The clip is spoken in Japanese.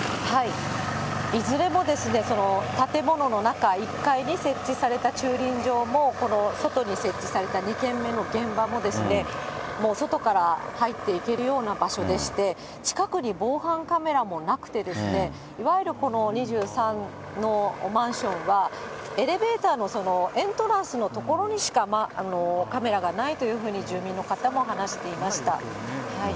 いずれもですね、建物の中、１階に設置された駐輪場も、この外に設置された２件目の現場もですね、もう外から入っていけるような場所でして、近くに防犯カメラもなくてですね、いわゆるこの２３のマンションは、エレベーターのエントランスの所にしかカメラがないというふうに住民の方も話していました。